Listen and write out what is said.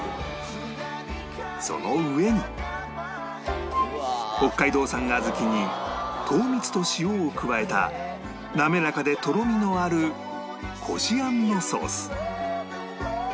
その上に北海道産小豆に糖蜜と塩を加えたなめらかでとろみのあるこしあんのソース